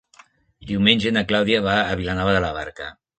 Diumenge na Clàudia va a Vilanova de la Barca.